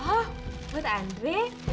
oh buat andre